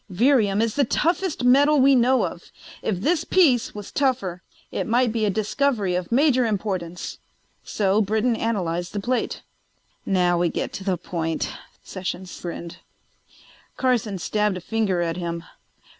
Virium is the toughest metal we know of; if this piece was tougher it might be a discovery of major importance. So Britton analyzed the plate." "Now we get to the point," Sessions grinned. Carson stabbed a finger at him.